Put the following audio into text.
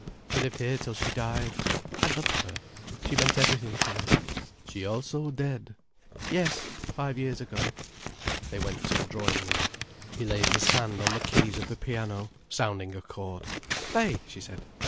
She lived here till she died. I loved her—she meant everything to me." "She also dead—?" "Yes, five years ago." They went to the drawing room. He laid his hand on the keys of the piano, sounding a chord. "Play," she said.